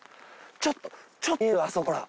ちょっとちょっと見えるあそこほら。